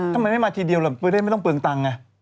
ทำไมไม่มาทีเดียวล่ะไม่ได้ไม่ต้องเปลืองตังค์ไง